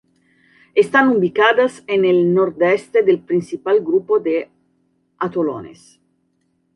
Están ubicadas en el noroeste del principal grupo de atolones.